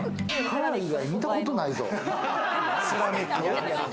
歯以外、見たことないぞ。